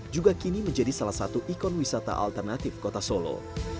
juga kini menjadi salah satu ikon wisata alternatif kota solo